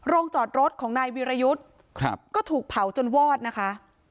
จอดรถของนายวิรยุทธ์ก็ถูกเผาจนวอดนะคะ